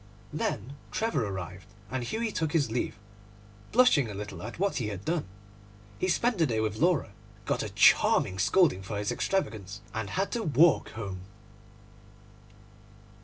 Then Trevor arrived, and Hughie took his leave, blushing a little at what he had done. He spent the day with Laura, got a charming scolding for his extravagance, and had to walk home.